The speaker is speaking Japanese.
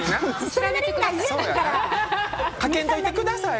かけんといてください！